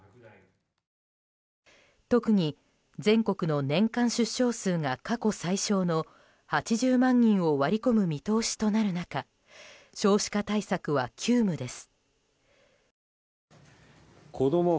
特に全国の年間出生数が過去最少の８０万人を割り込む見通しとなる中少子化対策は急務です。